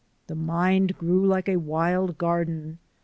The mind grew like a wild garden.